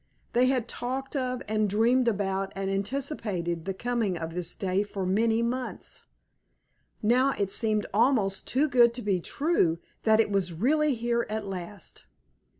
They had talked of and dreamed about and anticipated the coming of this day for many months. Now it seemed almost too good to be true that it was really here at last.